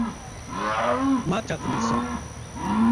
Matsàgə̀ nɨ̀sɔ̀ŋ.